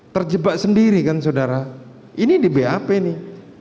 terjebak sendiri kan saudara ini di bap nih